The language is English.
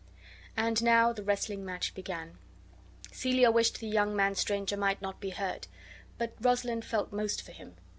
And now the wrestling match began. Celia wished the young stranger might not be hurt; but Rosalind felt most for him.